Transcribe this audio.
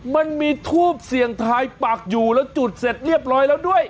มันมีทูบเสี่ยงทายปักอยู่แล้วจุดเสร็จเรียบร้อยแล้วด้วย